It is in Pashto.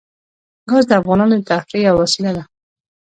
ګاز د افغانانو د تفریح یوه وسیله ده.